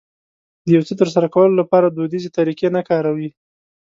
د يو څه ترسره کولو لپاره دوديزې طريقې نه کاروي.